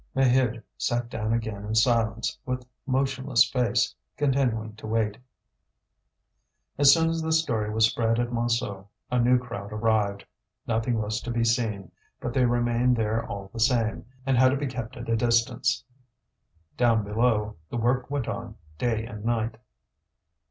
Maheude sat down again in silence, with motionless face, continuing to wait. As soon as the story was spread at Montsou, a new crowd arrived. Nothing was to be seen; but they remained there all the same, and had to be kept at a distance. Down below, the work went on day and night.